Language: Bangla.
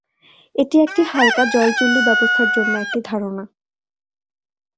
এটি একটি হালকা জল চুল্লী ব্যবস্থার জন্য একটি ধারণা।